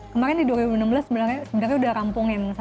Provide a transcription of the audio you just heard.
kemarin di dua ribu enam belas sebenarnya udah rampungin